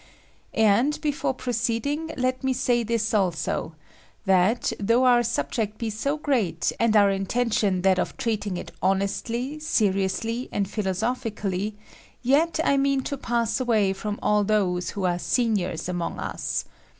And, before proceeding, let me say this also : that, though our subject be so great, and our intention that of treating it honestly, seriously, and philosophically, yet I mean to pass away firom all those who are seniors among us.